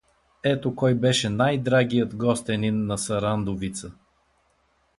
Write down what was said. Ето кой беше най-драгият гостенин на Сарандовица.